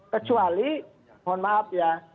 kecuali mohon maaf ya